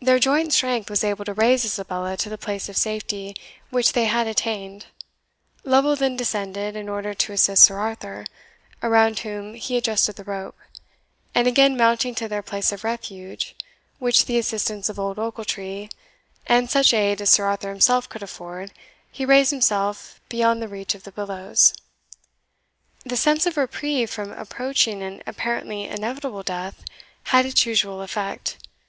Their joint strength was able to raise Isabella to the place of safety which they had attained. Lovel then descended in order to assist Sir Arthur, around whom he adjusted the rope; and again mounting to their place of refuge, with the assistance of old Ochiltree, and such aid as Sir Arthur himself could afford, he raised himself beyond the reach of the billows. [Illustration: The Rescue of Sir Arthur and Miss Wardour] The sense of reprieve from approaching and apparently inevitable death, had its usual effect.